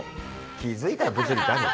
気づいたら物理ってあるんだ。